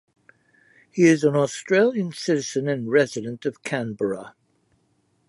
He is an Australian citizen and resident of Canberra.